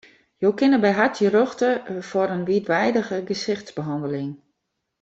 Jo kinne by har terjochte foar in wiidweidige gesichtsbehanneling.